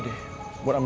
aku mau pergi